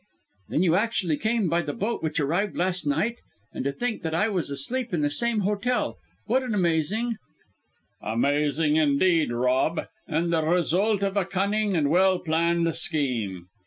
"Then you actually came by the boat which arrived last night? and to think that I was asleep in the same hotel! What an amazing " "Amazing indeed, Rob, and the result of a cunning and well planned scheme."